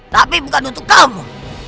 tapi bukan untuk kamu